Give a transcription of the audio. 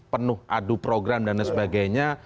penuh adu program dan lain sebagainya